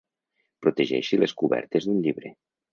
Protegeixi les cobertes d'un llibre.